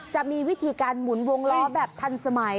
จะมีวิธีการหมุนวงล้อแบบทันสมัย